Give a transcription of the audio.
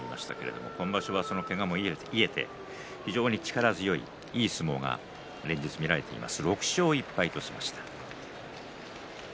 今場所はけがも癒えて非常にいい相撲が見られています。